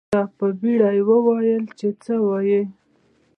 ده په بيړه وويل څه وايې.